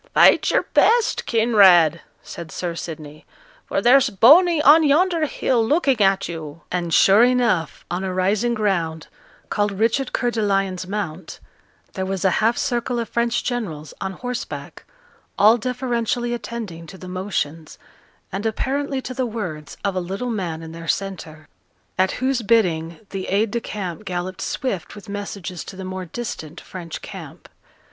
'Fight your best Kinraid!' said Sir Sidney; 'for there's Boney on yonder hill looking at you.' And sure enough, on a rising ground, called Richard Coeur de Lion's Mount, there was a half circle of French generals, on horseback, all deferentially attending to the motions, and apparently to the words, of a little man in their centre; at whose bidding the aide de camp galloped swift with messages to the more distant French camp.